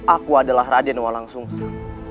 aku adalah raden walangsungsa